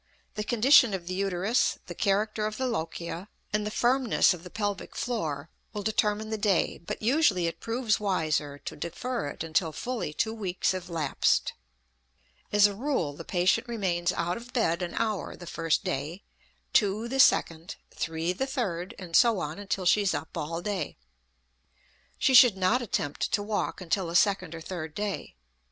The condition of the uterus, the character of the lochia, and the firmness of the pelvic floor will determine the day, but usually it proves wiser to defer it until fully two weeks have lapsed. As a rule, the patient remains out of bed an hour the first day, two the second, three the third, and so on until she is up all day. She should not attempt to walk until the second or third day.